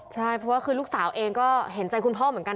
ใช่เพราะว่าคือลูกสาวเองก็เห็นใจคุณพ่อเหมือนกัน